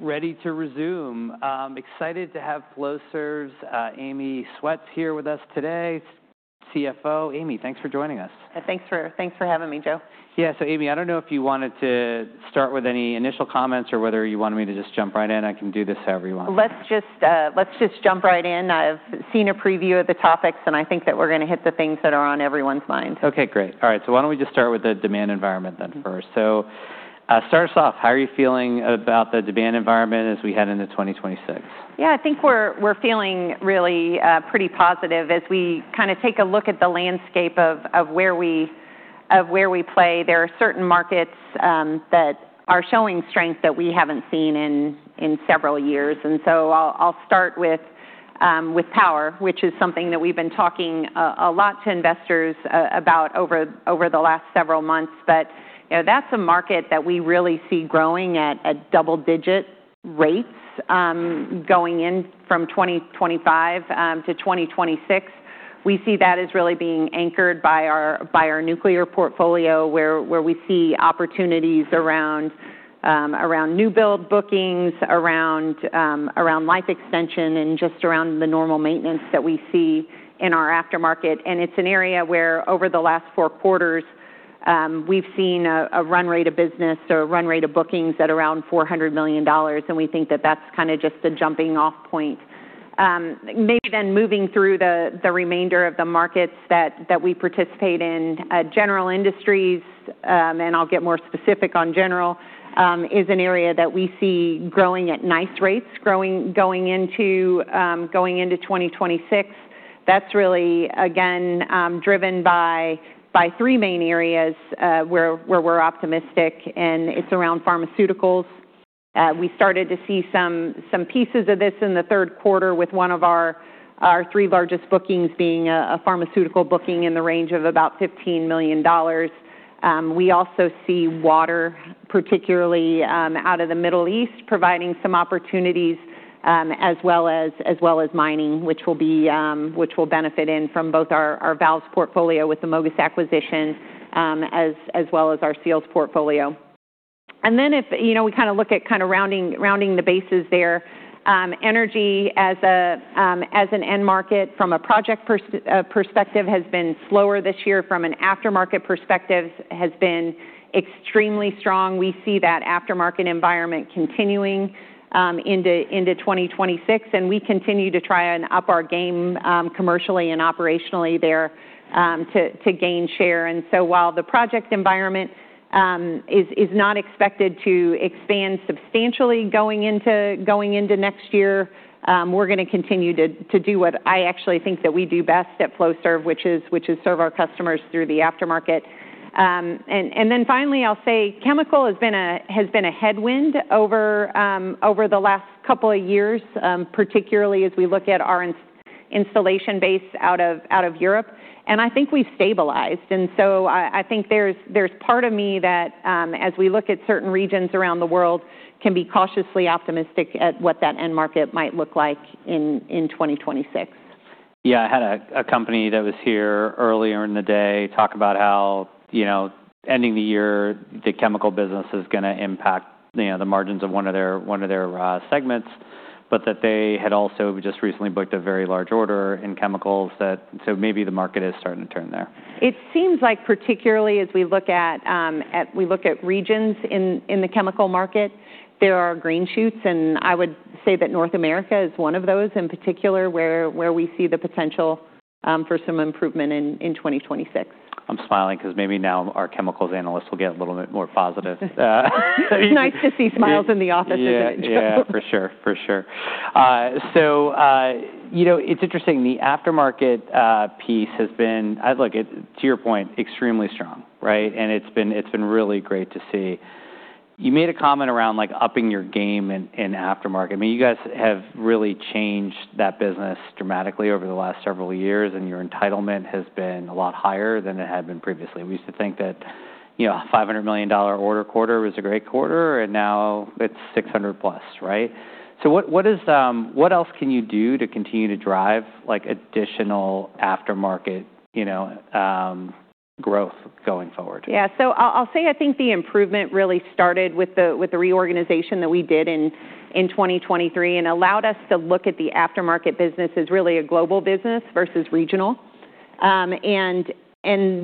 We're ready to resume. Excited to have Flowserve's Amy Schwetz here with us today, CFO. Amy, thanks for joining us. Thanks for having me, Joe. Yeah, so Amy, I don't know if you wanted to start with any initial comments or whether you wanted me to just jump right in. I can do this however you want. Let's just jump right in. I've seen a preview of the topics, and I think that we're going to hit the things that are on everyone's mind. Okay, great. All right, so why don't we just start with the demand environment then first. So start us off. How are you feeling about the demand environment as we head into 2026? Yeah, I think we're feeling really pretty positive as we kind of take a look at the landscape of where we play. There are certain markets that are showing strength that we haven't seen in several years. And so I'll start with power, which is something that we've been talking a lot to investors about over the last several months. But that's a market that we really see growing at double-digit rates going in from 2025 to 2026. We see that as really being anchored by our nuclear portfolio, where we see opportunities around new build bookings, around life extension, and just around the normal maintenance that we see in our aftermarket. And it's an area where over the last four quarters, we've seen a run rate of business or a run rate of bookings at around $400 million. And we think that that's kind of just the jumping-off point. Maybe then moving through the remainder of the markets that we participate in, general industries, and I'll get more specific on general, is an area that we see growing at nice rates going into 2026. That's really, again, driven by three main areas where we're optimistic, and it's around pharmaceuticals. We started to see some pieces of this in the third quarter with one of our three largest bookings being a pharmaceutical booking in the range of about $15 million. We also see water, particularly out of the Middle East, providing some opportunities as well as mining, which will benefit in from both our valves portfolio with the MOGAS acquisition as well as our seals portfolio, and then if we kind of look at kind of rounding the bases there, energy as an end market from a project perspective has been slower this year. From an aftermarket perspective, it has been extremely strong. We see that aftermarket environment continuing into 2026, and we continue to try and up our game commercially and operationally there to gain share. And so while the project environment is not expected to expand substantially going into next year, we're going to continue to do what I actually think that we do best at Flowserve, which is serve our customers through the aftermarket. And then finally, I'll say chemical has been a headwind over the last couple of years, particularly as we look at our installation base out of Europe. And I think we've stabilized. And so I think there's part of me that, as we look at certain regions around the world, can be cautiously optimistic at what that end market might look like in 2026. Yeah, I had a company that was here earlier in the day talk about how, ending the year, the chemical business is going to impact the margins of one of their segments, but that they had also just recently booked a very large order in chemicals. So maybe the market is starting to turn there. It seems like particularly as we look at regions in the chemical market, there are green shoots, and I would say that North America is one of those in particular where we see the potential for some improvement in 2026. I'm smiling because maybe now our chemicals analysts will get a little bit more positive. It's nice to see smiles in the office, isn't it? Yeah, for sure. For sure. So it's interesting, the aftermarket piece has been, to your point, extremely strong, right? And it's been really great to see. You made a comment around upping your game in aftermarket. I mean, you guys have really changed that business dramatically over the last several years, and your entitlement has been a lot higher than it had been previously. We used to think that a $500 million order quarter was a great quarter, and now it's 600 plus, right? So what else can you do to continue to drive additional aftermarket growth going forward? Yeah, so I'll say I think the improvement really started with the reorganization that we did in 2023 and allowed us to look at the aftermarket business as really a global business versus regional. And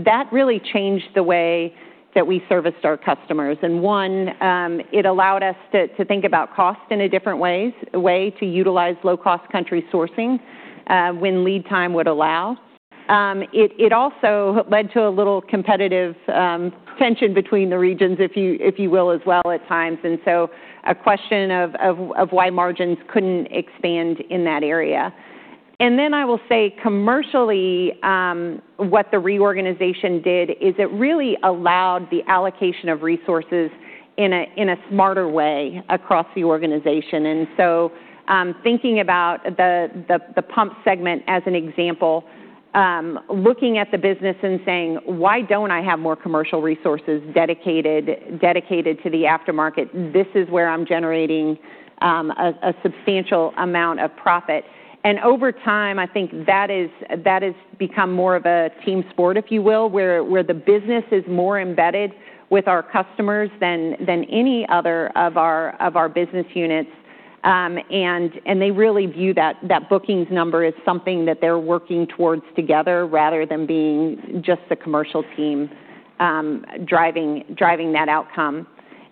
that really changed the way that we serviced our customers. And one, it allowed us to think about cost in a different way, to utilize low-cost country sourcing when lead time would allow. It also led to a little competitive tension between the regions, if you will, as well at times. And so a question of why margins couldn't expand in that area. And then I will say commercially, what the reorganization did is it really allowed the allocation of resources in a smarter way across the organization. And so thinking about the pump segment as an example, looking at the business and saying, "Why don't I have more commercial resources dedicated to the aftermarket? This is where I'm generating a substantial amount of profit." And over time, I think that has become more of a team sport, if you will, where the business is more embedded with our customers than any other of our business units. And they really view that bookings number as something that they're working towards together rather than being just the commercial team driving that outcome.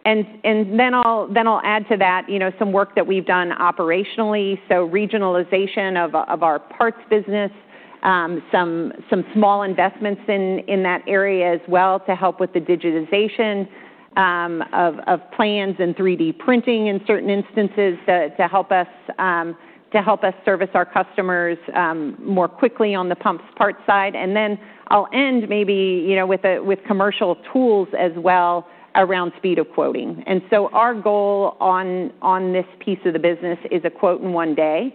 And then I'll add to that some work that we've done operationally, so regionalization of our parts business, some small investments in that area as well to help with the digitization of plans and 3D printing in certain instances to help us service our customers more quickly on the pumps part side. And then I'll end maybe with commercial tools as well around speed of quoting. And so our goal on this piece of the business is a quote in one day.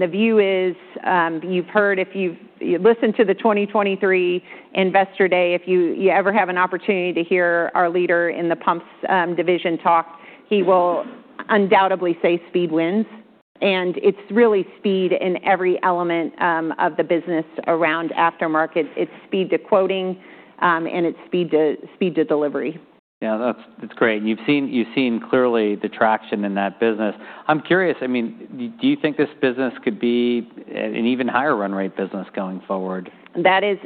The view is you've heard, if you listen to the 2023 Investor Day, if you ever have an opportunity to hear our leader in the pumps division talk, he will undoubtedly say speed wins. It's really speed in every element of the business around aftermarket. It's speed to quoting, and it's speed to delivery. Yeah, that's great. And you've seen clearly the traction in that business. I'm curious, I mean, do you think this business could be an even higher run rate business going forward? That is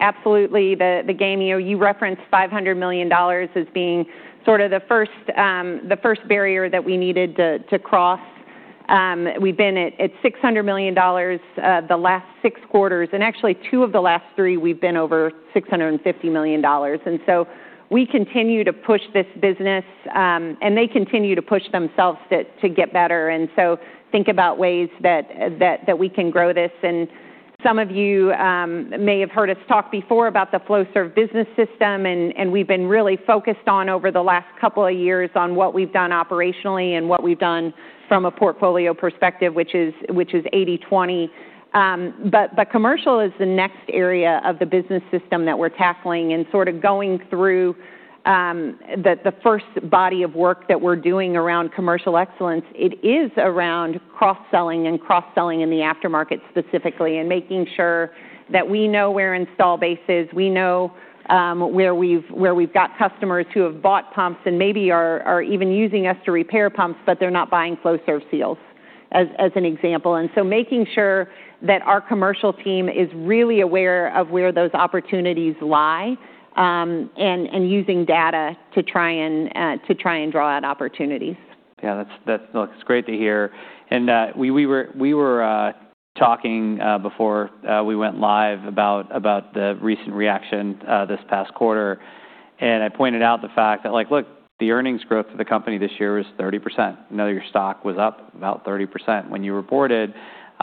absolutely the game. You referenced $500 million as being sort of the first barrier that we needed to cross. We've been at $600 million the last six quarters. And actually, two of the last three, we've been over $650 million. And so we continue to push this business, and they continue to push themselves to get better. And so think about ways that we can grow this. And some of you may have heard us talk before about the Flowserve Business System, and we've been really focused on over the last couple of years on what we've done operationally and what we've done from a portfolio perspective, which is 80/20. But commercial is the next area of the business system that we're tackling. Sort of going through the first body of work that we're doing around commercial excellence, it is around cross-selling and cross-selling in the aftermarket specifically and making sure that we know where installed base is. We know where we've got customers who have bought pumps and maybe are even using us to repair pumps, but they're not buying Flowserve seals, as an example. Making sure that our commercial team is really aware of where those opportunities lie and using data to try and draw out opportunities. Yeah, that's great to hear. And we were talking before we went live about the recent reaction this past quarter. And I pointed out the fact that, look, the earnings growth of the company this year was 30%. I know your stock was up about 30% when you reported.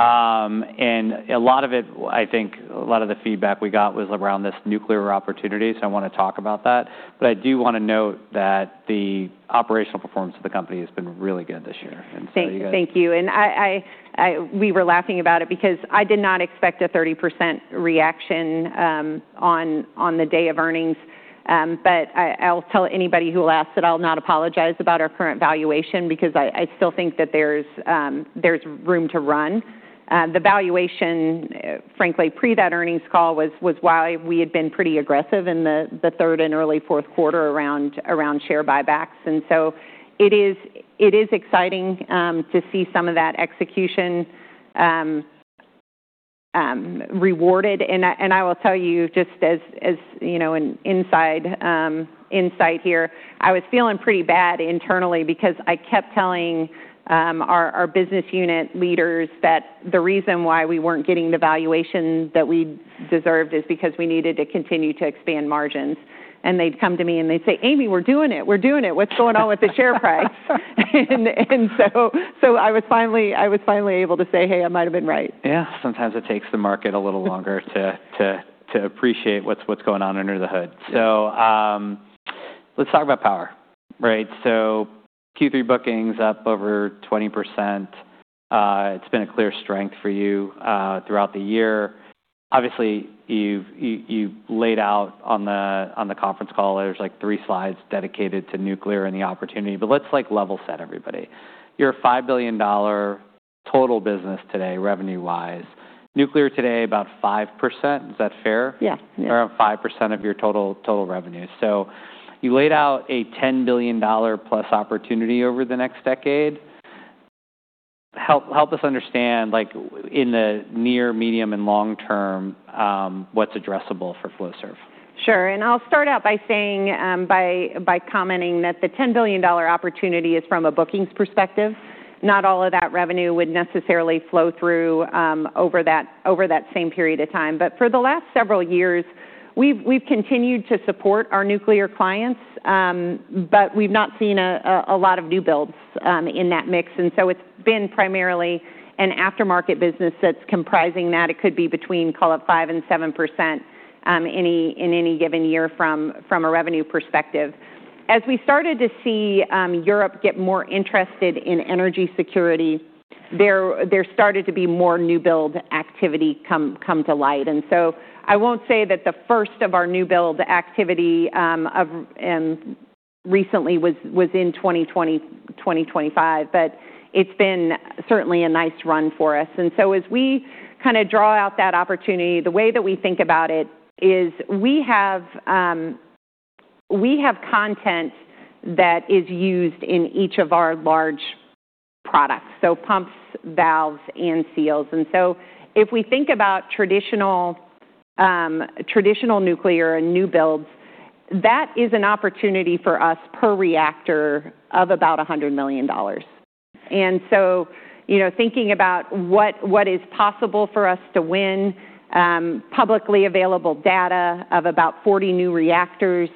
And a lot of it, I think a lot of the feedback we got was around this nuclear opportunity. So I want to talk about that. But I do want to note that the operational performance of the company has been really good this year. Thank you. We were laughing about it because I did not expect a 30% reaction on the day of earnings. But I'll tell anybody who will ask that I'll not apologize about our current valuation because I still think that there's room to run. The valuation, frankly, pre that earnings call was why we had been pretty aggressive in the third and early fourth quarter around share buybacks. So it is exciting to see some of that execution rewarded. I will tell you just as an insight here, I was feeling pretty bad internally because I kept telling our business unit leaders that the reason why we weren't getting the valuation that we deserved is because we needed to continue to expand margins. They'd come to me and they'd say, "Amy, we're doing it. We're doing it. What's going on with the share price?" And so I was finally able to say, "Hey, I might have been right. Yeah, sometimes it takes the market a little longer to appreciate what's going on under the hood. So let's talk about power, right? So Q3 bookings up over 20%. It's been a clear strength for you throughout the year. Obviously, you laid out on the conference call, there's like three slides dedicated to nuclear and the opportunity. But let's level set everybody. You're a $5 billion total business today, revenue-wise. Nuclear today about 5%, is that fair? Yeah. Around 5% of your total revenue. So you laid out a $10 billion plus opportunity over the next decade. Help us understand in the near, medium, and long term, what's addressable for Flowserve? Sure. And I'll start out by commenting that the $10 billion opportunity is from a bookings perspective. Not all of that revenue would necessarily flow through over that same period of time. But for the last several years, we've continued to support our nuclear clients, but we've not seen a lot of new builds in that mix. And so it's been primarily an aftermarket business that's comprising that. It could be between, call it 5% and 7% in any given year from a revenue perspective. As we started to see Europe get more interested in energy security, there started to be more new build activity come to light. And so I won't say that the first of our new build activity recently was in 2020 to 2025, but it's been certainly a nice run for us. As we kind of draw out that opportunity, the way that we think about it is we have content that is used in each of our large products, so pumps, valves, and seals. And so if we think about traditional nuclear and new builds, that is an opportunity for us per reactor of about $100 million. And so thinking about what is possible for us to win, publicly available data of about 40 new reactors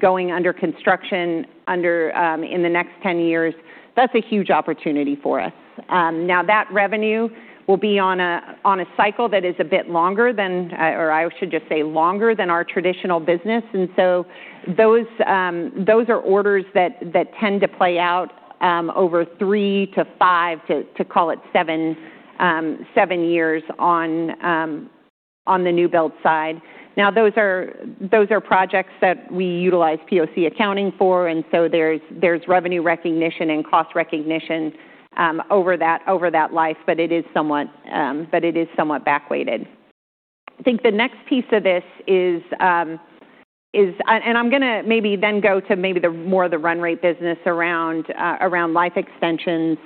going under construction in the next 10 years, that's a huge opportunity for us. Now, that revenue will be on a cycle that is a bit longer than, or I should just say longer than our traditional business. And so those are orders that tend to play out over three to five, to call it seven years on the new build side. Now, those are projects that we utilize POC accounting for. And so there's revenue recognition and cost recognition over that life, but it is somewhat back-weighted. I think the next piece of this is, and I'm going to maybe then go to maybe more of the run rate business around life extensions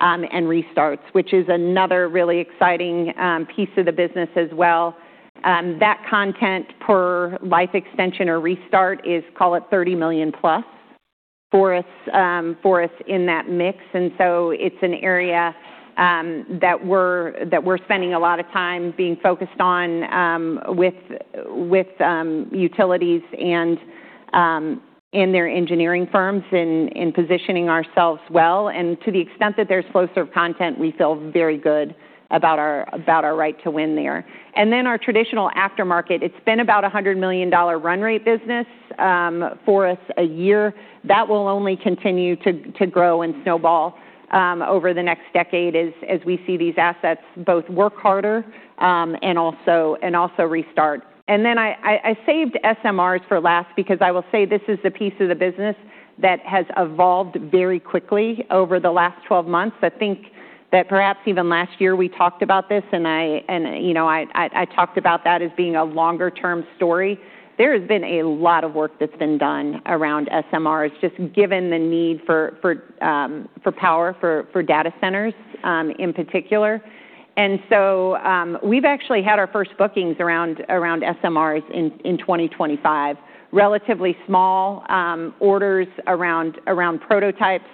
and restarts, which is another really exciting piece of the business as well. That content per life extension or restart is, call it $30 million plus for us in that mix. And so it's an area that we're spending a lot of time being focused on with utilities and their engineering firms in positioning ourselves well. And to the extent that there's Flowserve content, we feel very good about our right to win there. And then our traditional aftermarket, it's been about a $100 million run rate business for us a year. That will only continue to grow and snowball over the next decade as we see these assets both work harder and also restart. And then I saved SMRs for last because I will say this is the piece of the business that has evolved very quickly over the last 12 months. I think that perhaps even last year we talked about this, and I talked about that as being a longer-term story. There has been a lot of work that's been done around SMRs, just given the need for power, for data centers in particular. And so we've actually had our first bookings around SMRs in 2025. Relatively small orders around prototypes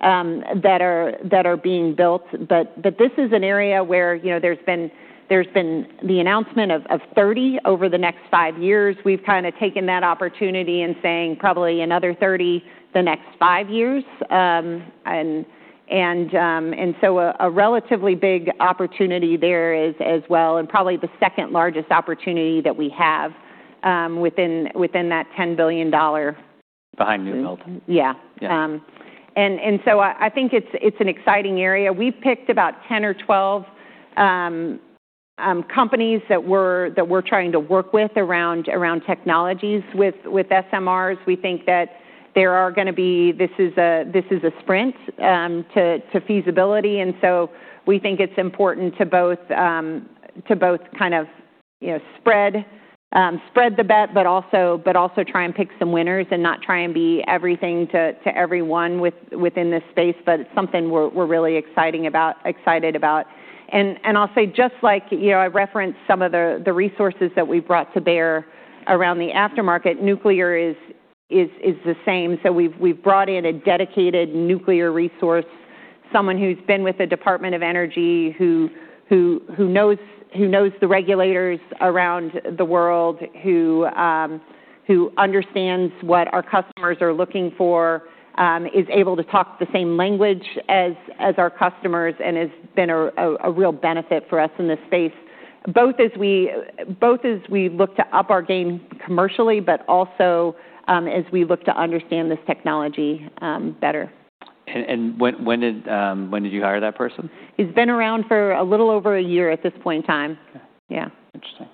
that are being built. But this is an area where there's been the announcement of 30 over the next five years. We've kind of taken that opportunity and saying probably another 30 the next five years. And so a relatively big opportunity there is as well, and probably the second largest opportunity that we have within that $10 billion. Behind new build. Yeah, and so I think it's an exciting area. We've picked about 10 or 12 companies that we're trying to work with around technologies with SMRs. We think that there are going to be. This is a sprint to feasibility. And so we think it's important to both kind of spread the bet, but also try and pick some winners and not try and be everything to everyone within this space, but it's something we're really excited about. And I'll say just like I referenced some of the resources that we brought to bear around the aftermarket, nuclear is the same. So, we've brought in a dedicated nuclear resource, someone who's been with the Department of Energy, who knows the regulators around the world, who understands what our customers are looking for, is able to talk the same language as our customers, and has been a real benefit for us in this space, both as we look to up our game commercially, but also as we look to understand this technology better. When did you hire that person? He's been around for a little over a year at this point in time. Yeah. Interesting.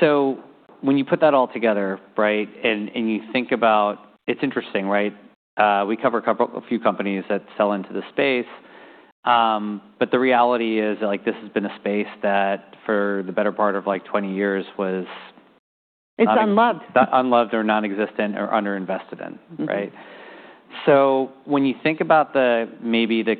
So when you put that all together, right, and you think about it's interesting, right? We cover a few companies that sell into the space. But the reality is this has been a space that for the better part of like 20 years was. It's unloved. Unloved or nonexistent or underinvested in, right? So when you think about maybe the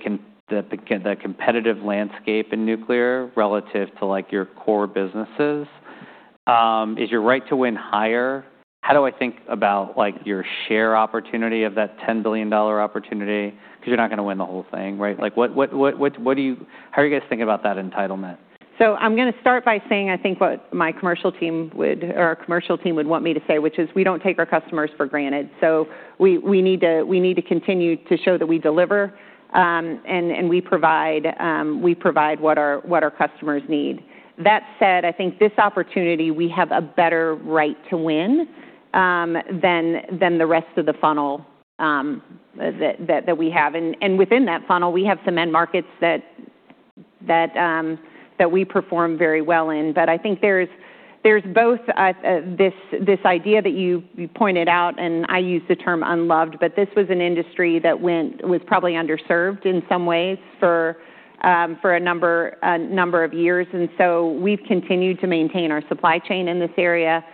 competitive landscape in nuclear relative to your core businesses, is your right to win higher? How do I think about your share opportunity of that $10 billion opportunity? Because you're not going to win the whole thing, right? How are you guys thinking about that entitlement? So I'm going to start by saying I think what my commercial team would, or our commercial team would want me to say, which is we don't take our customers for granted. So we need to continue to show that we deliver and we provide what our customers need. That said, I think this opportunity, we have a better right to win than the rest of the funnel that we have. And within that funnel, we have some end markets that we perform very well in. But I think there's both this idea that you pointed out, and I use the term unloved, but this was an industry that was probably underserved in some ways for a number of years. And so we've continued to maintain our supply chain in this area.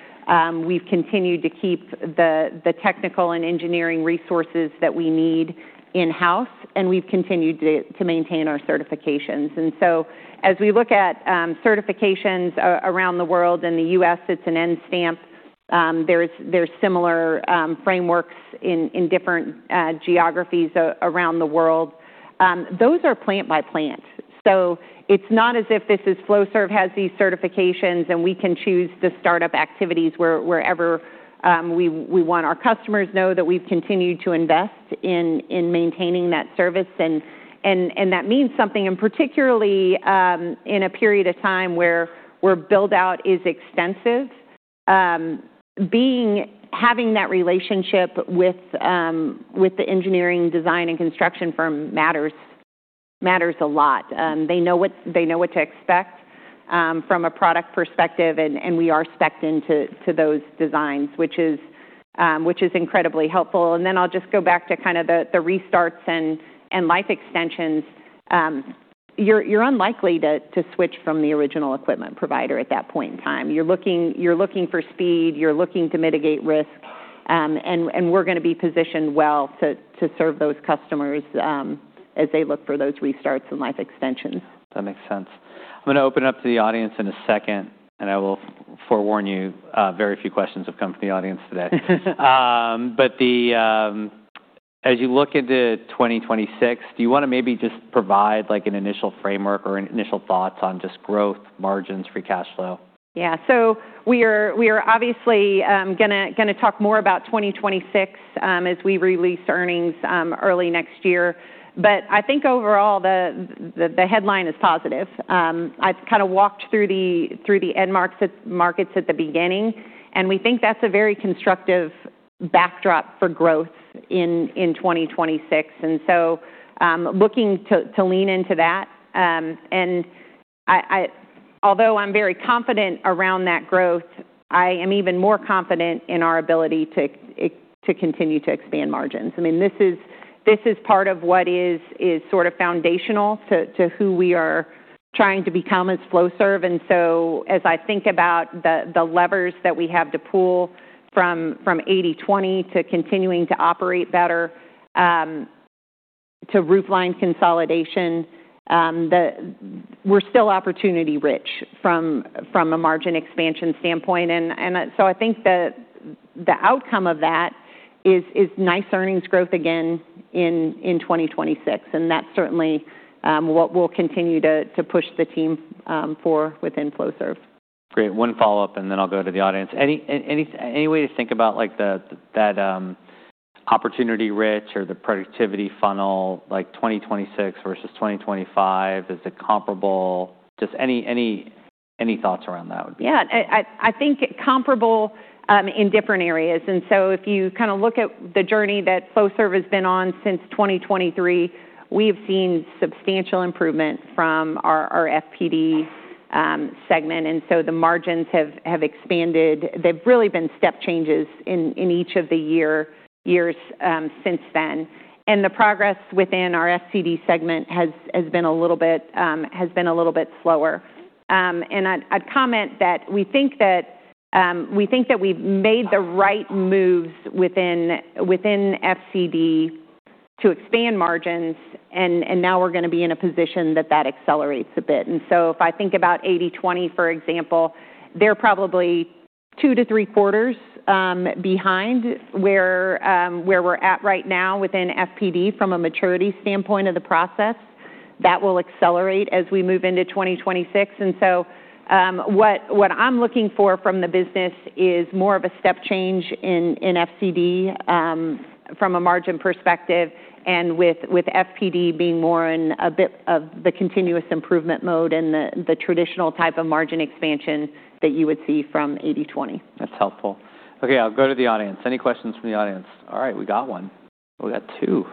We've continued to keep the technical and engineering resources that we need in-house, and we've continued to maintain our certifications, and so as we look at certifications around the world, in the U.S., it's an N stamp. There's similar frameworks in different geographies around the world. Those are plant by plant, so it's not as if this is Flowserve has these certifications and we can choose to start up activities wherever we want. Our customers know that we've continued to invest in maintaining that service, and that means something, and particularly in a period of time where build-out is extensive. Having that relationship with the engineering, design, and construction firm matters a lot. They know what to expect from a product perspective, and we are specced into those designs, which is incredibly helpful, and then I'll just go back to kind of the restarts and life extensions. You're unlikely to switch from the original equipment provider at that point in time. You're looking for speed. You're looking to mitigate risk, and we're going to be positioned well to serve those customers as they look for those restarts and life extensions. That makes sense. I'm going to open up to the audience in a second, and I will forewarn you very few questions have come from the audience today. But as you look into 2026, do you want to maybe just provide an initial framework or initial thoughts on just growth, margins, free cash flow? Yeah. So we are obviously going to talk more about 2026 as we release earnings early next year. But I think overall, the headline is positive. I've kind of walked through the end markets at the beginning, and we think that's a very constructive backdrop for growth in 2026. And so looking to lean into that. And although I'm very confident around that growth, I am even more confident in our ability to continue to expand margins. I mean, this is part of what is sort of foundational to who we are trying to become as Flowserve. And so as I think about the levers that we have to pull from 80/20 to continuing to operate better to footprint consolidation, we're still opportunity-rich from a margin expansion standpoint. And so I think the outcome of that is nice earnings growth again in 2026. That's certainly what we'll continue to push the team for within Flowserve. Great. One follow-up, and then I'll go to the audience. Any way to think about that opportunity-rich or the productivity funnel, like 2026 versus 2025, is it comparable? Just any thoughts around that would be. Yeah. I think comparable in different areas. And so if you kind of look at the journey that Flowserve has been on since 2023, we've seen substantial improvement from our FPD segment. And so the margins have expanded. They've really been step changes in each of the years since then. And the progress within our FCD segment has been a little bit slower. And I'd comment that we think that we've made the right moves within FCD to expand margins, and now we're going to be in a position that that accelerates a bit. And so if I think about 80/20, for example, they're probably two to three quarters behind where we're at right now within FPD from a maturity standpoint of the process. That will accelerate as we move into 2026. And so what I'm looking for from the business is more of a step change in FCD from a margin perspective, and with FPD being more in a bit of the continuous improvement mode and the traditional type of margin expansion that you would see from 80/20. That's helpful. Okay. I'll go to the audience. Any questions from the audience? All right. We got one. We got two.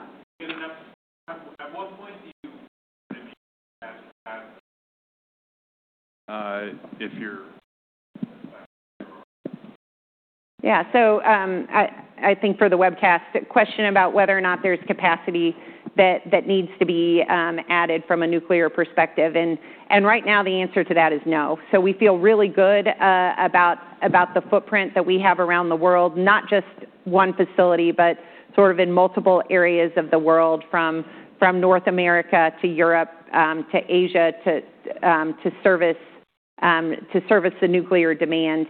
Yeah. So I think for the webcast, question about whether or not there's capacity that needs to be added from a nuclear perspective, and right now, the answer to that is no, so we feel really good about the footprint that we have around the world, not just one facility, but sort of in multiple areas of the world from North America to Europe to Asia to service the nuclear demand.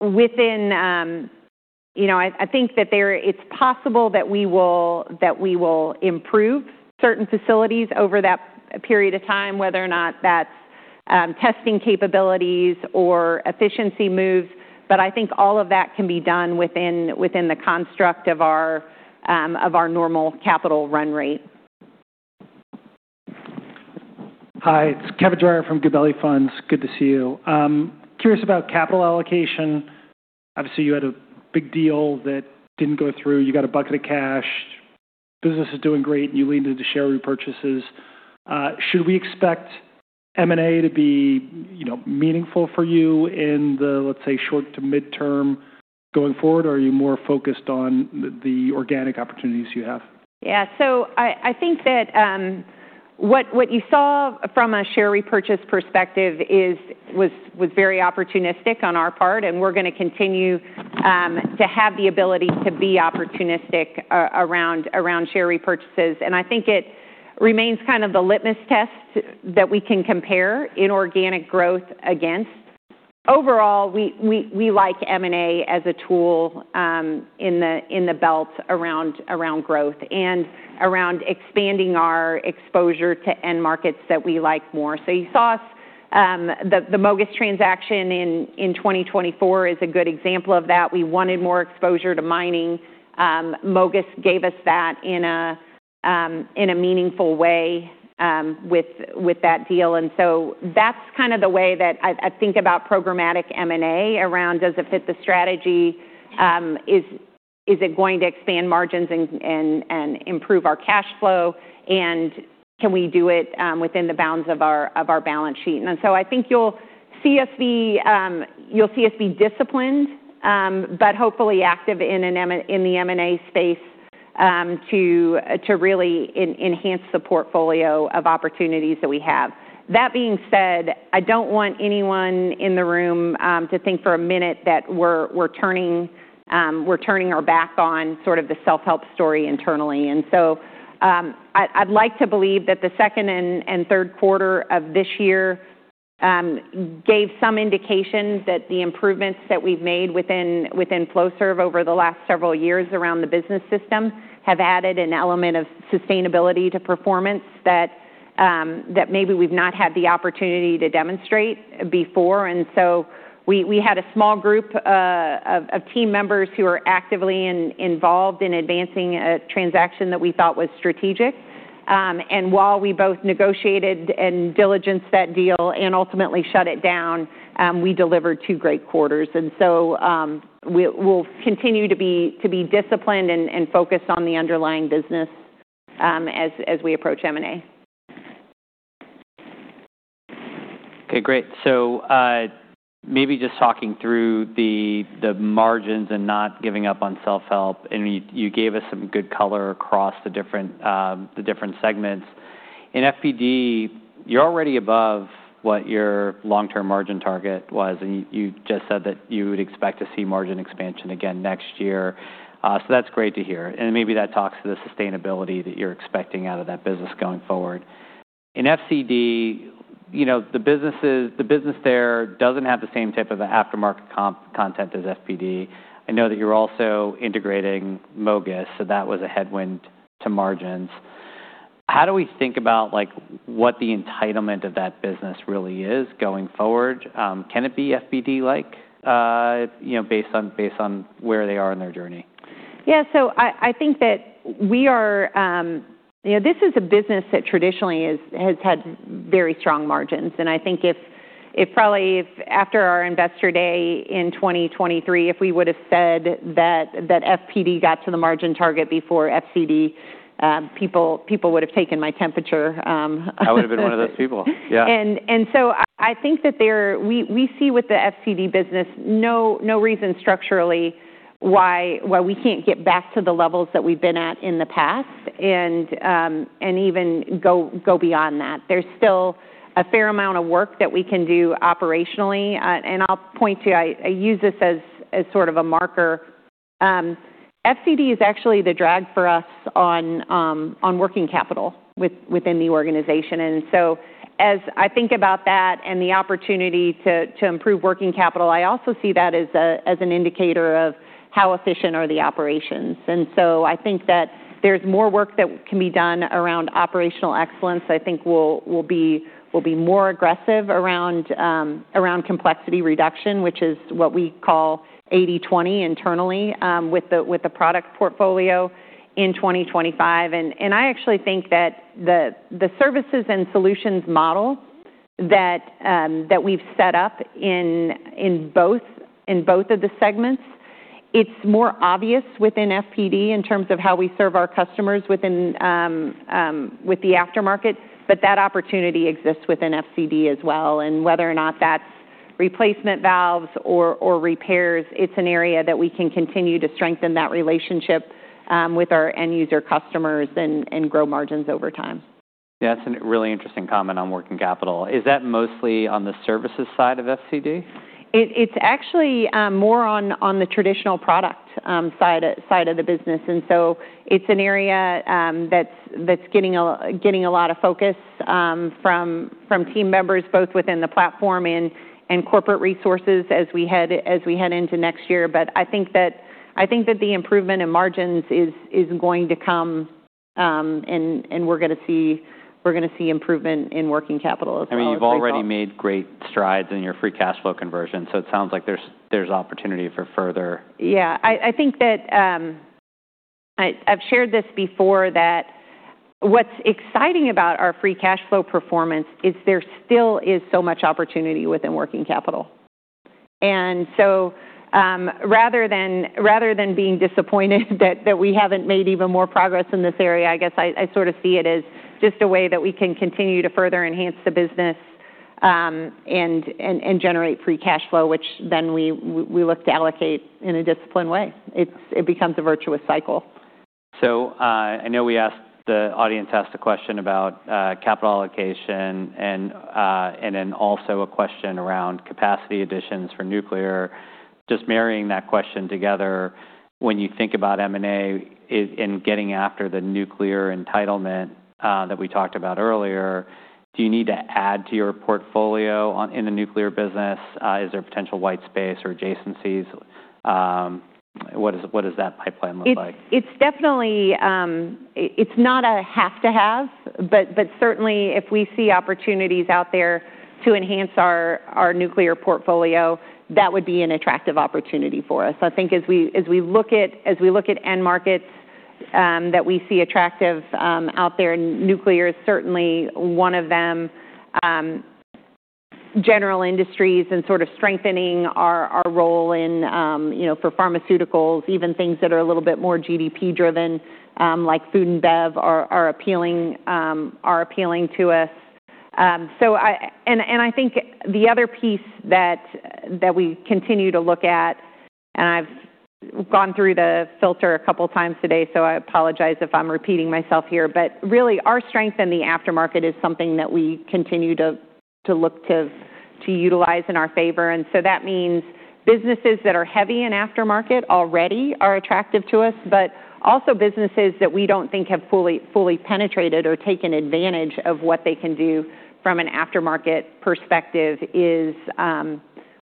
Within, I think that it's possible that we will improve certain facilities over that period of time, whether or not that's testing capabilities or efficiency moves, but I think all of that can be done within the construct of our normal capital run rate. Hi. It's Kevin Dreyer from Gabelli Funds. Good to see you. Curious about capital allocation. Obviously, you had a big deal that didn't go through. You got a bucket of cash. Business is doing great, and you leaned into share repurchases. Should we expect M&A to be meaningful for you in the, let's say, short to midterm going forward, or are you more focused on the organic opportunities you have? Yeah. So I think that what you saw from a share repurchase perspective was very opportunistic on our part, and we're going to continue to have the ability to be opportunistic around share repurchases. And I think it remains kind of the litmus test that we can compare inorganic growth against. Overall, we like M&A as a tool in the belt around growth and around expanding our exposure to end markets that we like more. So you saw the MOGAS transaction in 2024 is a good example of that. We wanted more exposure to mining. MOGAS gave us that in a meaningful way with that deal. And so that's kind of the way that I think about programmatic M&A around, does it fit the strategy? Is it going to expand margins and improve our cash flow? And can we do it within the bounds of our balance sheet? And so I think you'll see us be disciplined, but hopefully active in the M&A space to really enhance the portfolio of opportunities that we have. That being said, I don't want anyone in the room to think for a minute that we're turning our back on sort of the self-help story internally. And so I'd like to believe that the second and third quarter of this year gave some indication that the improvements that we've made within Flowserve over the last several years around the business system have added an element of sustainability to performance that maybe we've not had the opportunity to demonstrate before. And so we had a small group of team members who are actively involved in advancing a transaction that we thought was strategic. And while we both negotiated and diligenced that deal and ultimately shut it down, we delivered two great quarters. And so we'll continue to be disciplined and focused on the underlying business as we approach M&A. Okay. Great. So maybe just talking through the margins and not giving up on self-help. And you gave us some good color across the different segments. In FPD, you're already above what your long-term margin target was, and you just said that you would expect to see margin expansion again next year. So that's great to hear. And maybe that talks to the sustainability that you're expecting out of that business going forward. In FCD, the business there doesn't have the same type of aftermarket content as FPD. I know that you're also integrating MOGAS, so that was a headwind to margins. How do we think about what the entitlement of that business really is going forward? Can it be FPD-like based on where they are in their journey? Yeah, so I think that this is a business that traditionally has had very strong margins. And I think if probably after our investor day in 2023, if we would have said that FPD got to the margin target before FCD, people would have taken my temperature. I would have been one of those people. Yeah. And so I think that we see with the FCD business no reason structurally why we can't get back to the levels that we've been at in the past and even go beyond that. There's still a fair amount of work that we can do operationally. And I'll point to. I use this as sort of a marker. FCD is actually the drag for us on working capital within the organization. And so as I think about that and the opportunity to improve working capital, I also see that as an indicator of how efficient are the operations. And so I think that there's more work that can be done around operational excellence. I think we'll be more aggressive around complexity reduction, which is what we call 80/20 internally with the product portfolio in 2025. And I actually think that the services and solutions model that we've set up in both of the segments. It's more obvious within FPD in terms of how we serve our customers with the aftermarket. But that opportunity exists within FCD as well. And whether or not that's replacement valves or repairs, it's an area that we can continue to strengthen that relationship with our end user customers and grow margins over time. Yeah. That's a really interesting comment on working capital. Is that mostly on the services side of FCD? It's actually more on the traditional product side of the business, and so it's an area that's getting a lot of focus from team members, both within the platform and corporate resources as we head into next year, but I think that the improvement in margins is going to come, and we're going to see improvement in working capital as well. I mean, you've already made great strides in your free cash flow conversion. So it sounds like there's opportunity for further. Yeah. I think that I've shared this before, that what's exciting about our free cash flow performance is there still is so much opportunity within working capital, and so rather than being disappointed that we haven't made even more progress in this area, I guess I sort of see it as just a way that we can continue to further enhance the business and generate free cash flow, which then we look to allocate in a disciplined way. It becomes a virtuous cycle. I know the audience asked a question about capital allocation and then also a question around capacity additions for nuclear. Just marrying that question together, when you think about M&A and getting after the nuclear entitlement that we talked about earlier, do you need to add to your portfolio in the nuclear business? Is there potential white space or adjacencies? What does that pipeline look like? It's not a have to have, but certainly if we see opportunities out there to enhance our nuclear portfolio, that would be an attractive opportunity for us. I think as we look at end markets that we see attractive out there, nuclear is certainly one of them. General industries and sort of strengthening our role for pharmaceuticals, even things that are a little bit more GDP-driven like food and bev are appealing to us, and I think the other piece that we continue to look at, and I've gone through the filter a couple of times today, so I apologize if I'm repeating myself here, but really our strength in the aftermarket is something that we continue to look to utilize in our favor. So that means businesses that are heavy in aftermarket already are attractive to us, but also businesses that we don't think have fully penetrated or taken advantage of what they can do from an aftermarket perspective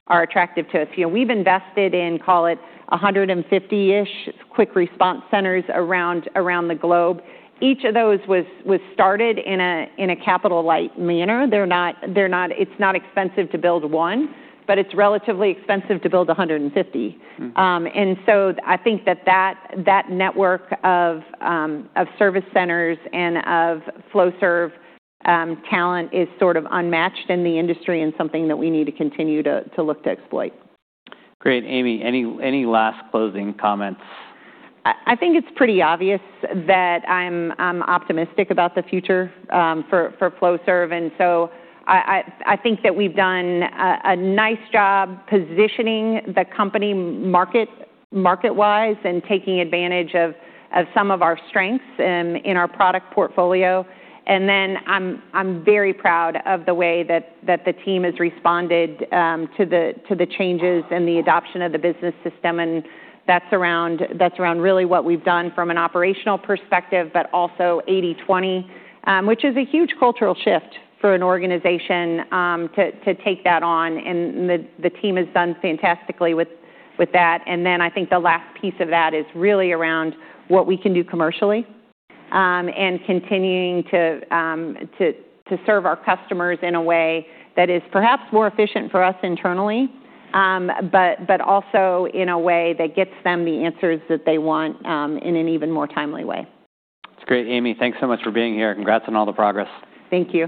are attractive to us. We've invested in, call it, 150-ish Quick Response Centers around the globe. Each of those was started in a capital-light manner. It's not expensive to build one, but it's relatively expensive to build 150. So I think that that network of service centers and of Flowserve talent is sort of unmatched in the industry and something that we need to continue to look to exploit. Great. Amy, any last closing comments? I think it's pretty obvious that I'm optimistic about the future for Flowserve. And so I think that we've done a nice job positioning the company market-wise and taking advantage of some of our strengths in our product portfolio. And then I'm very proud of the way that the team has responded to the changes and the adoption of the business system. And that's around really what we've done from an operational perspective, but also 80/20, which is a huge cultural shift for an organization to take that on. And the team has done fantastically with that. And then I think the last piece of that is really around what we can do commercially and continuing to serve our customers in a way that is perhaps more efficient for us internally, but also in a way that gets them the answers that they want in an even more timely way. That's great. Amy, thanks so much for being here. Congrats on all the progress. Thank you.